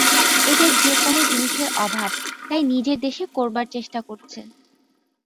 এদের যে-কোন জিনিষের অভাব, তাই নিজের দেশে করবার চেষ্টা করছে।